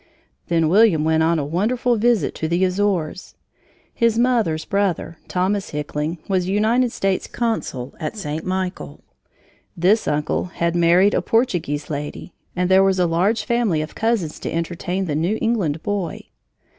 Then William went on a wonderful visit to the Azores. His mother's brother, Thomas Hickling, was United States Consul at St. Michael. This uncle had married a Portuguese lady, and there was a large family of cousins to entertain the New England boy.